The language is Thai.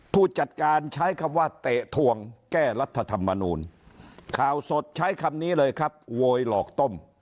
ผู้จัดการใช้คำว่าเตะทวงแก้รัฐธรรมนูลข่าวสดใช้คำนี้เลยครับโวยหลอกต้ม